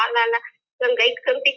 là gần cái thương tích